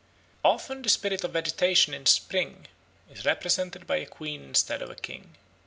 Often the spirit of vegetation in spring is represented by a queen instead of a king.